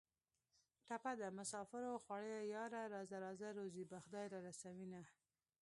ټپه ده: مسافرو خوړلیه یاره راځه راځه روزي به خدای را رسوینه